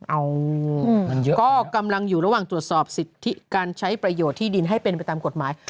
เอาก็กำลังอยู่ระหว่างตรวจสอบสิทธิการใช้ประโยชน์ที่ดินให้เป็นไปตามกฎหมาย